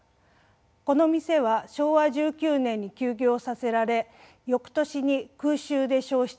この店は昭和１９年に休業させられ翌年に空襲で焼失。